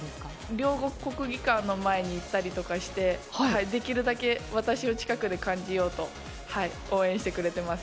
両国国技館の前に行ったりとかしてできるだけ私を近くで感じようと応援してくれています。